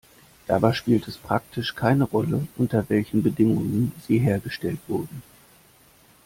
Dabei spielt es praktisch keine Rolle, unter welchen Bedingungen sie hergestellt wurden.